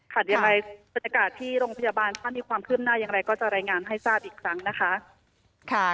ยังไงบรรยากาศที่โรงพยาบาลถ้ามีความคืบหน้าอย่างไรก็จะรายงานให้ทราบอีกครั้งนะคะ